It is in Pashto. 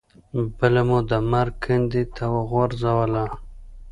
بله مو د مرګ کندې ته وغورځوله.